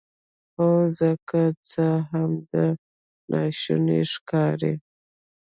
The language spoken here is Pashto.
هو زه که څه هم دا ناشونی ښکاري